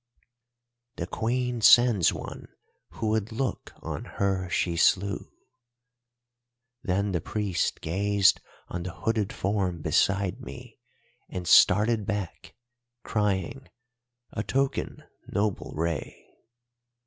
"'The Queen sends one who would look on her she slew.' "Then the priest gazed on the hooded form beside me and started back, crying, 'A token, noble Rei.